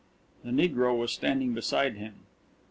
The negro was standing beside him.